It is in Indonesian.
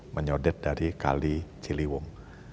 menyodet dari kali celiwung